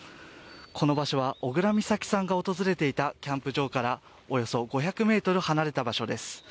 この場所は小倉美咲さんが訪れていたキャンプ場からおよそ５００ｍ離れた場所です。